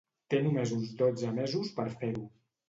Té només uns dotze mesos per fer-ho?